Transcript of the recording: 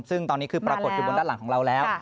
ซึ่งตอนนี้คือปรากฏอยู่บนด้านหลังของเราแล้ว